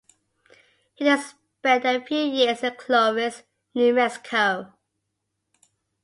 He then spent a few years in Clovis, New Mexico.